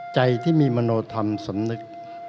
ใจที่มีมโนธรรมสำนึก